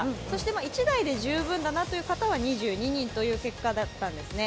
１台で十分だなという方は２２人という結果だったんですね。